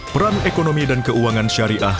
peran ekonomi dan keuangan syariah